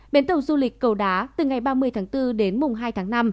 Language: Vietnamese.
bến tàu du lịch cầu đá từ ngày ba mươi tháng bốn đến mùng hai tháng năm